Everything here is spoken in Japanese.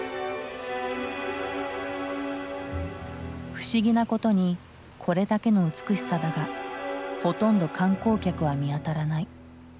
不思議なことにこれだけの美しさだがほとんど観光客は見当たらない。